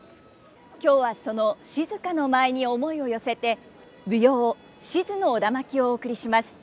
今日はその静の舞に思いを寄せて舞踊「賤の苧環」をお送りします。